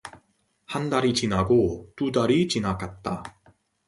한 달이 지나고 두 달이 지나갔다.